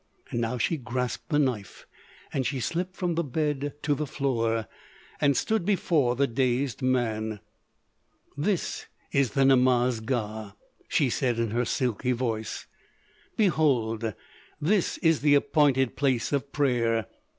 Now she grasped the knife, and she slipped from the bed to the floor and stood before the dazed man. "This is the Namaz Ga," she said in her silky voice. "Behold, this is the appointed Place of Prayer.